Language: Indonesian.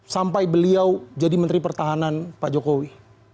sampai beliau jadi menteri pertahanan pak jokowi